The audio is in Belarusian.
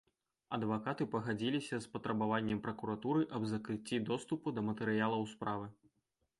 Адвакаты пагадзіліся з патрабаваннем пракуратуры аб закрыцці доступу да матэрыялаў справы.